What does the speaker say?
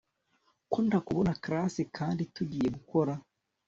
ko ntakubona class kandi tugiye gukora